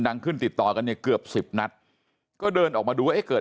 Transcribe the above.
ดังขึ้นติดต่อกันในเกือบ๑๐นัดก็เดินออกมาดูไอ้เกิด